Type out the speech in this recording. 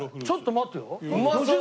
ちょっと待ってよ。